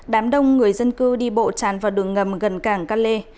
đám đông người dân cư đi bộ tràn vào đường ngầm gần cảng calais